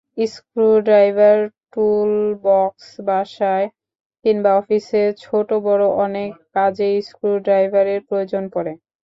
Screw driver টুলবক্সবাসায় কিংবা অফিসে ছোট-বড় অনেক কাজেই স্ক্রু ড্রাইভারের প্রয়োজন পড়ে।